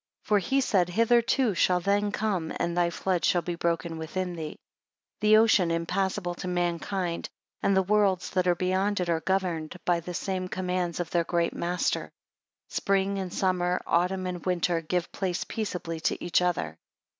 For he said, Hitherto shalt then come, and thy floods shall be broken within thee. 12 The ocean impassable to mankind, and the worlds that are beyond it are governed by the same commands of their great master. 13 Spring and summer, autumn and winter, give place peaceably to each other.